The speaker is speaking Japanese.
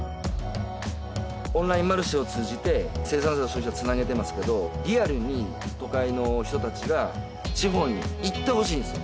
オンラインマルシェを通じて生産者と消費者つなげてますけどリアルに都会の人達が地方に行ってほしいんですよ